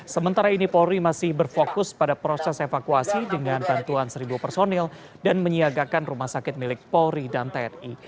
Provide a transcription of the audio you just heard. sementara ini polri masih berfokus pada proses evakuasi dengan bantuan seribu personil dan menyiagakan rumah sakit milik polri dan tni